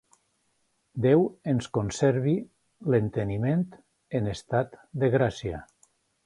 Déu ens conservi l'enteniment en estat de gràcia.